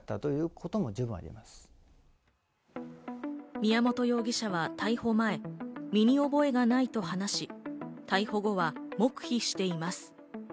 宮本容疑者は逮捕前、身に覚えがないと話し、逮捕後は黙秘しています。